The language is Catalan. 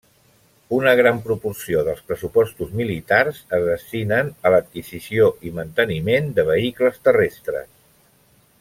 Una gran proporció dels pressupostos militars es destinen a l'adquisició i manteniment de vehicles terrestres.